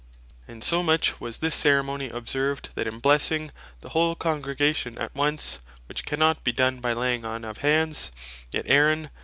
And so much was this ceremony observed, that in blessing the whole Congregation at once, which cannot be done by Laying on of Hands, yet "Aaron (Levit.